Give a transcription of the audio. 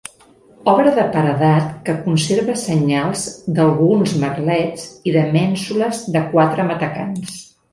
Obra de paredat que conserva senyals d'alguns merlets i de mènsules de quatre matacans.